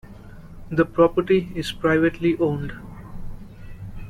The property is privately owned.